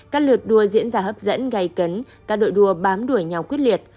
các lượt đua diễn ra hấp dẫn gây cấn các đội đua bám đuổi nhau quyết liệt